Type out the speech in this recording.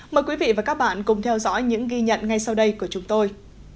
mời quý vị và các bạn cùng theo dõi những ghi nhận ngay sau đây của chúng tôi